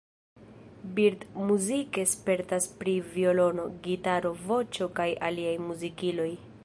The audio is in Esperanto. Bird muzike spertas pri violono, gitaro, voĉo kaj aliaj muzikiloj.